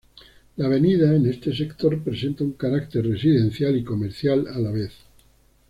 La avenida en este sector presenta un carácter residencial y comercial a la vez.